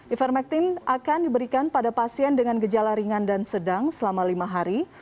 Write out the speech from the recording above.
ivermectin akan diberikan pada pasien dengan gejala ringan dan sedang selama lima hari